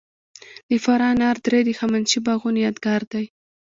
د فراه انار درې د هخامنشي باغونو یادګار دی